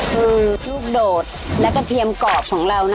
คือลูกโดดและกระเทียมกรอบของเรา